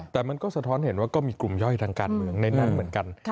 แต่มันก็สะท้อนเห็นว่าก็มีกลุ่มย่อยทางการเมืองในนั้นเหมือนกัน